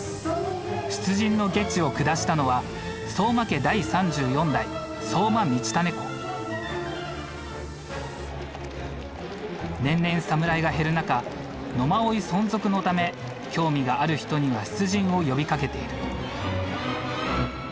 出陣の下知を下したのは年々侍が減る中野馬追存続のため興味がある人には出陣を呼びかけている。